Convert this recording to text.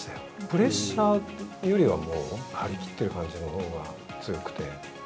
プレッシャーというよりは、もう張り切ってる感じのほうが強くて。